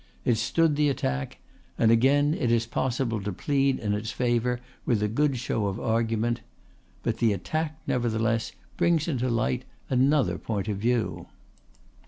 It stood the attack; and again it is possible to plead in its favour with a good show of argument. But the attack, nevertheless, brings into light another point of view.